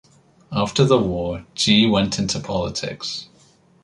After the war, Gee went into politics.